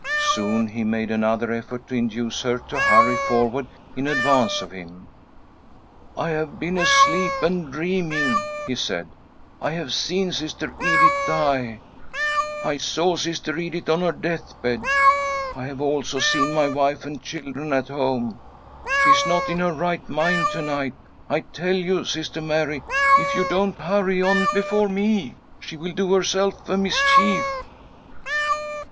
Soon he made another effort to induce her to hurry forward in advance of hini. "I have been asleep and dreaming," he said. " ^rhave seen Sister Edith die— I saw Sister Edith on her death bed ; I have also seen my wife and children at home. She is not in her right mind to night. I tell you, Sister Mary, if you don't hurry on before me she will do herself a mischief."